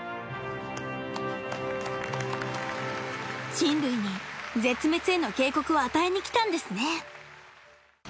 人類に絶滅への警告を与えにきたんですね